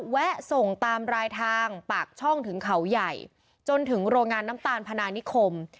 แวะส่งตามรายทางปากช่องถึงเขาใหญ่จนถึงโรงงานน้ำตาลพนานิคม